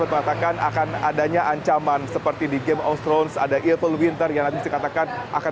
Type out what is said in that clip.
mengatakan akan adanya ancaman seperti di game of thrones ada evil winter yang nanti dikatakan akan